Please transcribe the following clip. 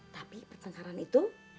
tapi bertengkaran itu